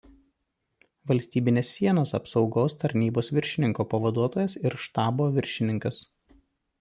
Valstybinės sienos apsaugos tarnybos viršininko pavaduotojas ir štabo viršininkas.